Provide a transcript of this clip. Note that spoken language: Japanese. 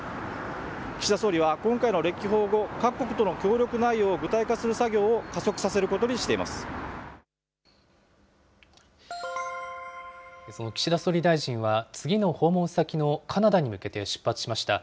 岸田総理は今回の歴訪後、各国との協力内容を具体化する作業を加その岸田総理大臣は、次の訪問先のカナダに向けて出発しました。